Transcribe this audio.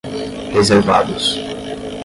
reservados